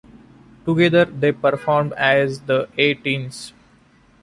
Together they performed as the A-Teens.